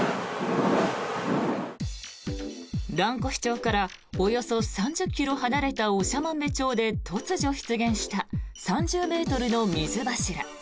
蘭越町からおよそ３０ｋｍ離れた長万部町で突如出現した３０ｍの水柱。